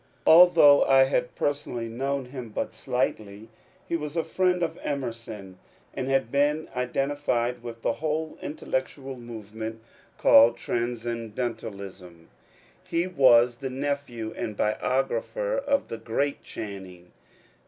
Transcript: Although I had personally known him but slightly. 246 MONCURE DANIEL CONWAY he was a friend of Emerson, and had been identified with the whole intellectual moyement called ^^ Transcendentalism." He was the nephew and biographer of the great Channing.